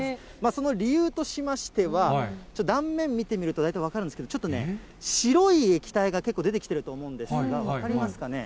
その理由としましては、断面見てみると、大体分かるんですけど、ちょっとね、白い液体が結構出てきてると思うんですが、分かりますかね。